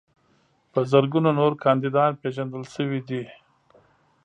په زرګونو نور کاندیدان پیژندل شوي دي.